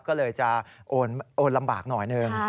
ก็เลยจะโอนลำบากหน่อยหนึ่ง